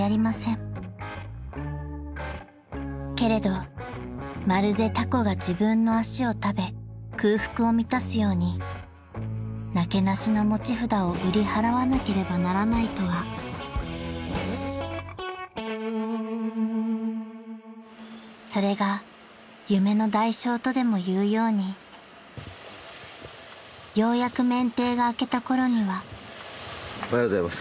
［けれどまるでタコが自分の足を食べ空腹を満たすようになけなしの持ち札を売り払わなければならないとは］［それが夢の代償とでも言うようにようやく免停が明けたころには］おはようございます。